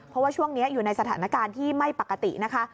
เพราะว่าช่วงนี้อยู่ในสถานการณ์ที่ไม่ปกตินะคะ